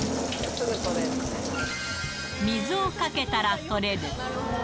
水をかけたら取れる。